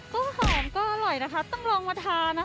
ก็หอมก็อร่อยนะคะต้องลองมาทานนะคะ